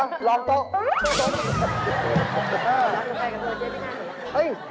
ขอบคุณค่ะรองโตไปกับเธอเจ๊ได้ไง